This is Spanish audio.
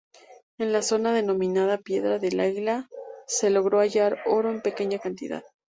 En la zona denominada Piedra del Águila, se logró hallar oro en pequeña cantidad.